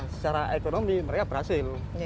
secara ekonomi mereka berhasil